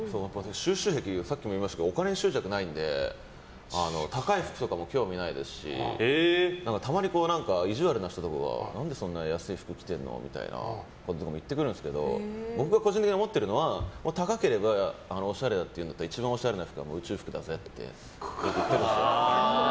収集癖がさっきも言いましたけどお金に執着がないので高い服とかも興味ないですしたまに意地悪な人とかが何でそんな安い服着てるのとか言ってくるんですけど僕が個人的に思っているのは高ければおしゃれだっていうなら一番おしゃれなのは宇宙服だぜって言ってるんですよ。